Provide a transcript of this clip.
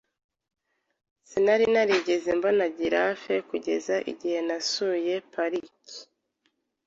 Sinari narigeze mbona giraffe kugeza igihe nasuye pariki.